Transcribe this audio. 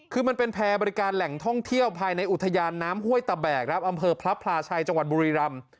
คือมันเป็นแพร่บริการแหล่งท่องเที่ยวภายในอุทยานน้ำห้วยตะแบกครับอำเภอพระพลาชัยจังหวัดบุรีรำ